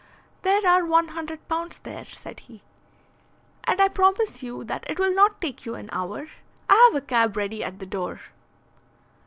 "There are one hundred pounds there," said he, "and I promise you that it will not take you an hour. I have a cab ready at the door."